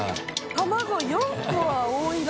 卵４個は多いな。